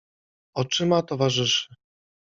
oczyma towarzyszy.